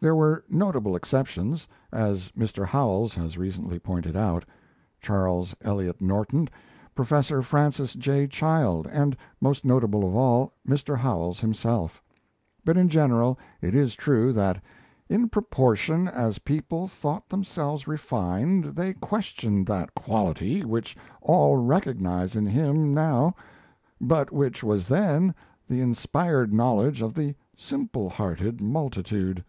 There were notable exceptions, as Mr. Howells has recently pointed out Charles Eliot Norton, Professor Francis J. Child, and most notable of all, Mr. Howells himself; but in general it is true that "in proportion as people thought themselves refined they questioned that quality which all recognize in him now, but which was then the inspired knowledge of the simple hearted multitude."